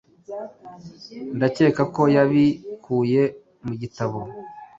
Ndakeka ko yabikuye mu gitabo "